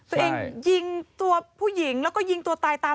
ตัวเองยิงตัวผู้หญิงแล้วก็ยิงตัวตายตาม